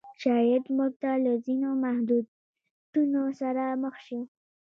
شاید موږ له ځینو محدودیتونو سره مخ شو.